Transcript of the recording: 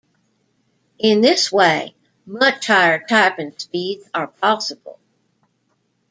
In this way, much higher typing speeds are possible.